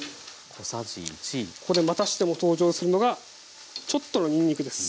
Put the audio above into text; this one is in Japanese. ここでまたしても登場するのがちょっとのにんにくです。